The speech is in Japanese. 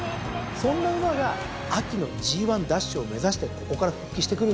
そんな馬が秋のＧⅠ奪取を目指してここから復帰してくるんですからね。